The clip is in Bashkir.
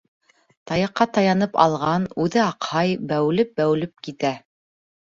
Таяҡҡа таянып алған, үҙе аҡһай, бәүелеп-бәүелеп китә.